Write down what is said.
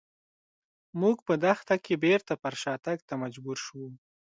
موږ په دښته کې بېرته پر شاتګ ته مجبور شوو.